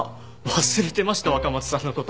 忘れてました若松さんのこと。